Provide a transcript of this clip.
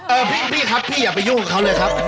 พี่ครับพี่อย่าไปยุ่งกับเขาเลยครับ